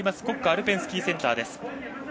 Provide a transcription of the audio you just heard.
国家アルペンスキーセンターです。